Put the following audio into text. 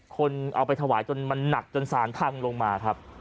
คนเอาไปถวายจนมันหนักจนสารพังลงมาครับ